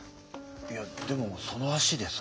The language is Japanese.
いやでもその足でさ。